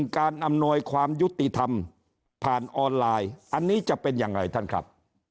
อำนวยความยุติธรรมผ่านออนไลน์อันนี้จะเป็นยังไงท่านครับ